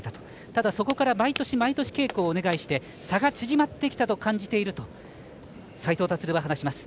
ただそこから毎年毎年稽古をお願いして差が縮まってきたと感じていると斉藤立は話します。